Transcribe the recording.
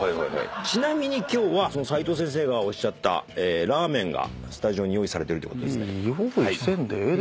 ちなみに今日はその齋藤先生がおっしゃったラーメンがスタジオに用意されてるってことですね。